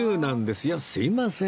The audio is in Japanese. すいません